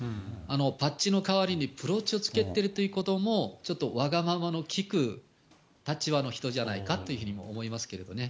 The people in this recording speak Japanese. バッジの代わりにブローチをつけているということもちょっとわがままの利く立場の人じゃないかというふうにも思いますけれどもね。